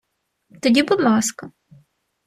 Тоді, будь ласка.